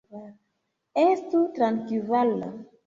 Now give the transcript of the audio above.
Estu trankvila.